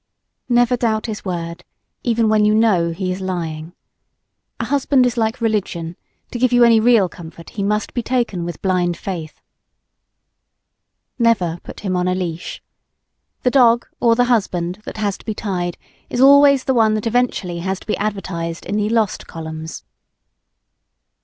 Never doubt his word even when you know he is lying. A husband is like religion: to give you any real comfort, he must be taken with blind faith. Never put him on a leash. The dog or the husband that has to be tied is always the one that eventually has to be advertised in the "lost" columns.